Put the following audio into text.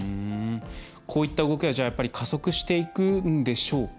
こういった動きが加速していくんでしょうか？